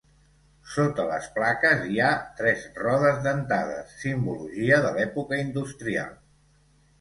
Sota les plaques hi ha tres rodes dentades, simbologia de l'època industrial.